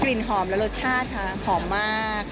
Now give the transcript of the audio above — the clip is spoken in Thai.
ลิ่นหอมและรสชาติค่ะหอมมาก